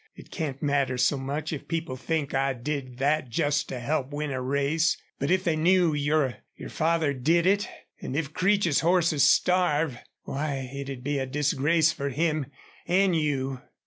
It can't matter so much if people think I did that just to help win a race. But if they knew your your father did it, an' if Creech's horses starve, why it'd be a disgrace for him an' you."